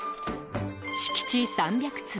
敷地３００坪